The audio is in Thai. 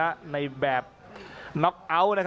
อัศวินาศาสตร์